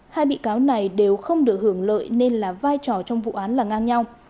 hai bị cáo này đều không được hưởng lợi nên là vai trò trong vụ án là ngang nhau